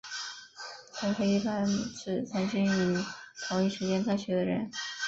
同学一般指曾经于同一时间在学的人。